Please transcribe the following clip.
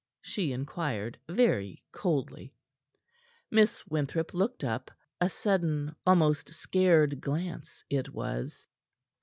she inquired, very coldly. Mistress Winthrop looked up a sudden, almost scared glance it was.